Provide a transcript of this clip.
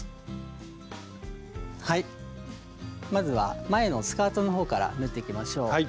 まずは前のスカートの方から縫っていきましょう。